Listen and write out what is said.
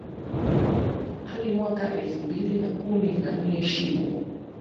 hadi mwaka elfumbili kumi na nne Shimo